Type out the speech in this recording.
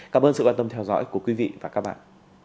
cảm ơn sự quan tâm theo dõi của quý vị và các bạn